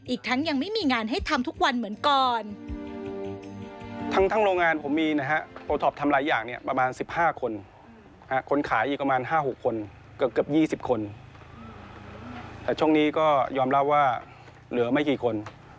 อีกทั้งยังไม่มีงานให้ทำทุกวันเหมือนก่อน